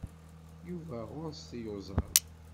Yuba ɣur-s tiyuzaḍ.